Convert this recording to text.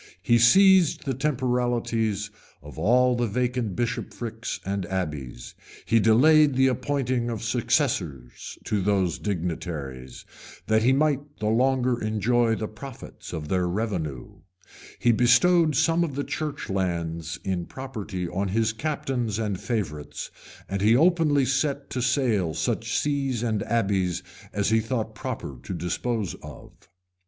He seized the temporalities of all the vacant bishoprics and abbeys; he delayed the appointing of successors to those dignities, that he might the longer enjoy the profits of their revenue; he bestowed some of the church lands in property on his captains and favorites; and he openly set to sale such sees and abbeys as he thought proper to dispose of.